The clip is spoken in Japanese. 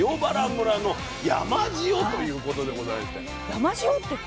山塩って。